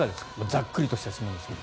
ざっくりとした質問ですが。